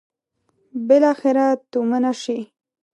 بالاخره تومنه شي.